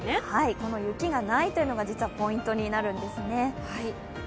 この雪がないというのが実はポイントになるんですね。